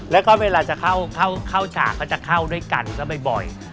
แล้วก็เวลาจะเข้าฉากก็จะเข้าด้วยกันซะบ่อย